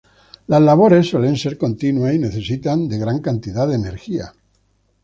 Las labores suelen ser continuas y necesitan de gran cantidad de energía.